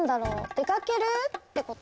出かけるってこと？